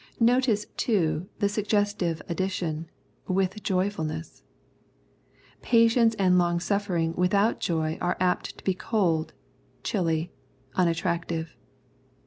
Notice, too, the suggestive addition, " with joyjulness,'^^ Patience and longsuffering without joy are apt to be cold, chilly, un attractive.